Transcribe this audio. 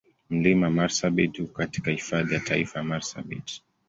Mlima Marsabit uko katika Hifadhi ya Taifa ya Marsabit.